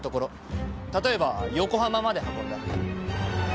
例えば横浜まで運んだ。